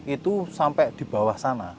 itu sampai di bawah sana